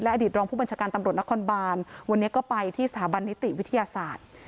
อดีตรองผู้บัญชาการตำรวจนครบานวันนี้ก็ไปที่สถาบันนิติวิทยาศาสตร์